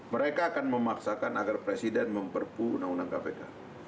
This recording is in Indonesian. mereka akan memaksakan agar presiden memperpu undang undang kpk